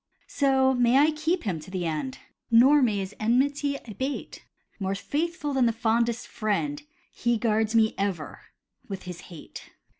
So may I keep him to the end, Nor may his enmity abate: More faithful than the fondest friend, He guards me ever with his hate.